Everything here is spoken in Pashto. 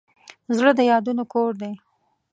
زړه د یادونو کور دی.